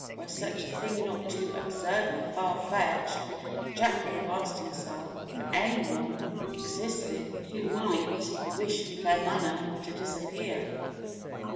Were such a thing not too absurdly far fetched, Jack would have asked himself if any one existed who might wish Claremanagh to disappear?